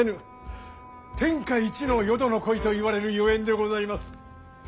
天下一の淀の鯉といわれるゆえんでございます。